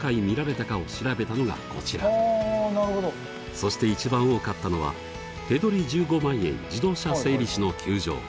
そして一番多かったのは「手取り１５万円自動車整備士の窮状」。